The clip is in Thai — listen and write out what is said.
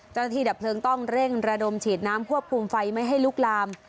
ดับเพลิงต้องเร่งระดมฉีดน้ำควบคุมไฟไม่ให้ลุกลาม